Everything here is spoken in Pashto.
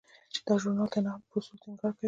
دا ژورنال د نقد په اصولو ټینګار کوي.